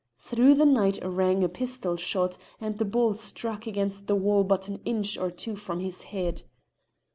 Through the night rang a pistol shot, and the ball struck against the wall but an inch or two from his head.